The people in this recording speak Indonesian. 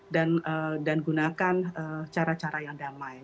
dan gunakan cara cara yang damai